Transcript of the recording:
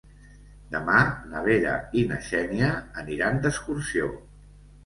Demà na Vera i na Xènia aniran d'excursió.